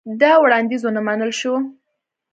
دا وړاندیز ونه منل شو.